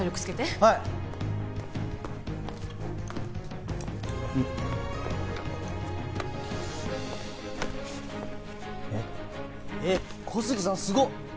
はいえっえっ小杉さんすごっ！